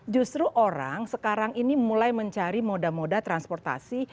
justru orang sekarang ini mulai mencari moda moda transportasi